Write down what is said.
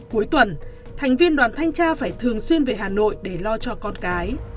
cuối tuần thành viên đoàn thanh tra phải thường xuyên về hà nội để lo cho con cái